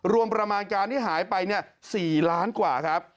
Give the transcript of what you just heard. รวมประมาณการที่หายไป๔ล้านกว่าครับ